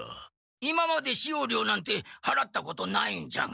今まで使用料なんてはらったことないんじゃが。